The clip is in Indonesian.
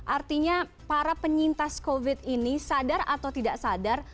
artinya para penyintas covid ini sadar atau tidak sadar